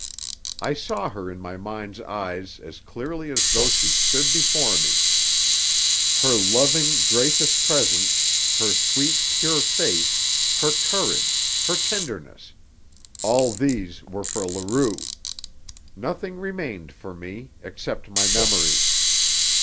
I saw her in my mind's eyes as clearly as though she stood before me. Her loving, gracious presence, her sweet, pure face, her courage, her tenderness all these were for Leroux. Nothing remained for me, except my memories.